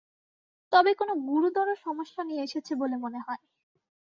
তবে কোনো গুরুতর সমস্যা নিয়ে এসেছে বলে মনে হয়।